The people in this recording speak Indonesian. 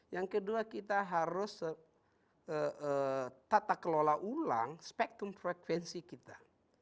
yang kedua kita harus tata kelola ulang spektrum frekuensi kita